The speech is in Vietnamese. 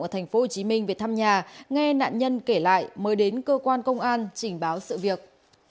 ở tp hcm về thăm nhà nghe nạn nhân kể lại mới đến cơ quan công an trình báo sự việc